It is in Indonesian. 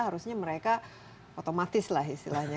harusnya mereka otomatis lah istilahnya